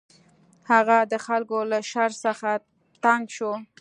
هغه د خلکو له شر څخه تنګ شو.